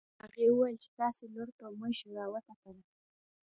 هغې ويل چې تاسو خپله لور په موږ راوتپله